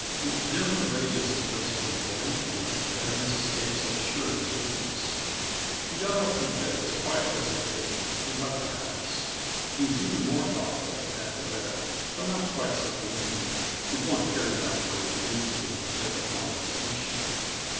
It dimmed the radiance of Josephine's belief in him, to have Mrs. Kate so sure of his weakness. He got up from the bed as quietly as he could and left the house. He was even more thoughtful, after that, but not quite so gloomy if one cared enough for his moods to make a fine distinction.